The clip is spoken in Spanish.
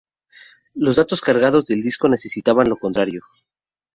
Los datos cargados del disco necesitaban lo contrario.